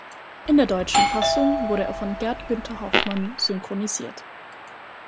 In der deutschen Fassung wurde er von Gert Günther Hoffmann synchronisiert.